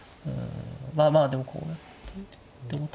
まあまあでもこうやって。